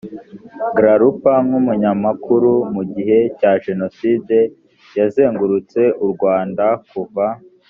grarup nk umunyamakuru mu gihe cya jenoside yazengurutse u rwanda kuva